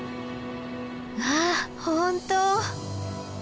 わあ本当！